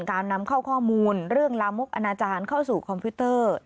การนำเข้าข้อมูลเรื่องลามกอนาจารย์เข้าสู่คอมพิวเตอร์